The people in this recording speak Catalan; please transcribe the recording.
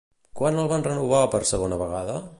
Quan el van renovar per segona vegada?